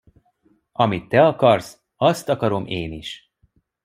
Amit te akarsz, azt akarom én is!